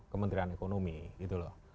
kementerian ekonomi gitu loh